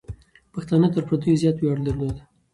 پښتانه تر پردیو زیات ویاړ درلود.